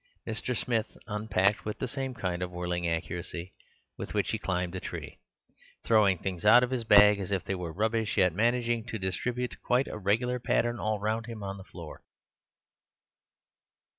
Mr. Smith unpacked with the same kind of whirling accuracy with which he climbed a tree—throwing things out of his bag as if they were rubbish, yet managing to distribute quite a regular pattern all round him on the floor.